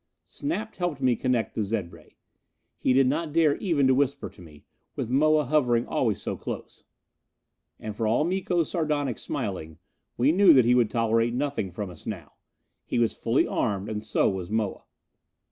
Snap helped me connect the zed ray. He did not dare even to whisper to me, with Moa hovering always so close. And for all Miko's sardonic smiling, we knew that he would tolerate nothing from us now. He was fully armed, and so was Moa.